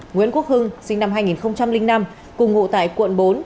nguyễn quốc hưng sinh năm hai nghìn năm cùng ngụ tại quận bốn